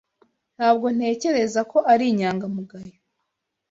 Ntabwo ntekereza ko ari inyangamugayo. (Bah_Dure)